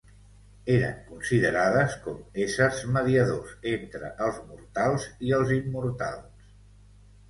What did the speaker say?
Eren considerades com éssers mediadors entre els mortals i els immortals.